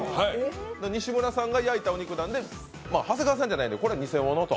西村さんが焼いたお肉なんで長谷川さんじゃないんでこれ偽物と。